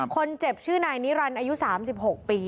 คนเจ็บชื่อนายนิรันดิ์อายุ๓๖ปี